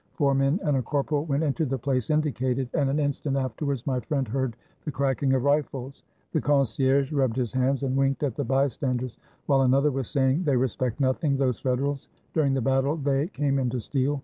Four men and a corporal went into the place indicated, and an instant afterwards my friend heard the cracking of rifles. The concierge rubbed his hands and winked at the bystanders, while another was saying, ''They respect nothing, those Fed 415 FRANCE erals; during the battle they came in to steal.